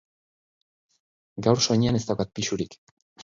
Gaur soinean ez daukat pisurik.